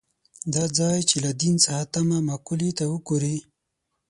دا ځای چې له دین څخه تمه مقولې ته وګوري.